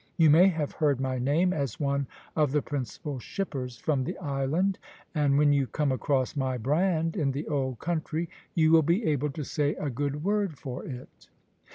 You may have heard my name as one of the principal shippers from the island, and when you come across my brand in the old country you will be able to say a good word for it."